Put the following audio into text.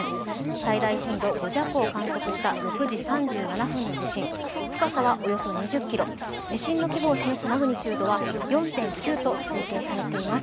最大震度５弱を観測した６時３７分の地震、深さはおよそ２０ｋｍ地震の規模を示すマグニチュードは４．９と示されています。